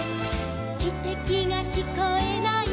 「きてきがきこえない」